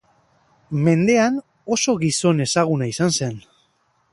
Mendean oso gizon ezaguna izan zen.